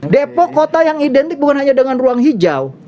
depok kota yang identik bukan hanya dengan ruang hijau